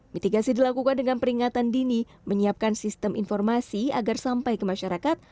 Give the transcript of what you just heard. mitigasi dilakukan dengan peringatan dini menyiapkan sistem informasi agar sampai ke masyarakat